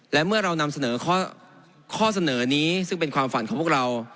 และเมื่อเรานำเสนอข้อเสนอนี้ซึ่งเป็นความฝันของพวกเรา